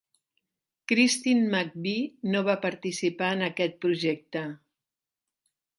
Christine McVie no va participar en aquest projecte.